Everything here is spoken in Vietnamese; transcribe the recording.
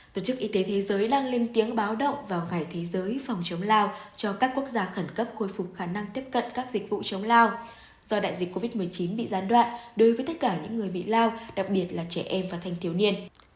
tổ chức y tế thế giới đang lên tiếng báo động vào ngày thế giới phòng chống lao cho các quốc gia khẩn cấp khôi phục khả năng tiếp cận các dịch vụ chống lao do đại dịch covid một mươi chín bị gián đoạn đối với tất cả những người bị lao đặc biệt là trẻ em và thanh thiếu niên